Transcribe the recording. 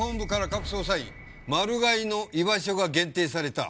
マルガイの居場所が限定された。